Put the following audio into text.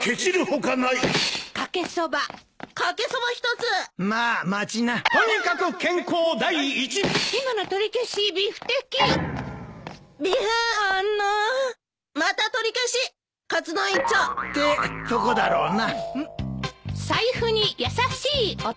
かつ丼１丁！ってとこだろうな。